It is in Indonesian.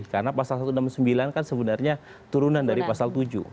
karena pasal satu ratus enam puluh sembilan kan sebenarnya turunan dari pasal tujuh